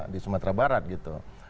di sumatera barat gitu